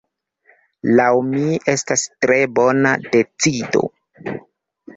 Laŭ mi estas tre bona decido.